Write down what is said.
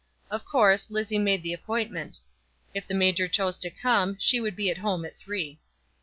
Of course, Lizzie made the appointment. If the major chose to come, she would be at home at three.